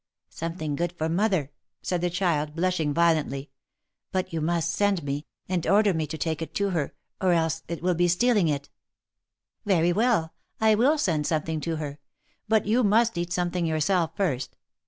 " Something good for mother," said the child, blushing violently ;" but you must send me, and order me to take it to her, or else it will be stealing it" " Very well, I will send something to her ; but you must eat something yourself first.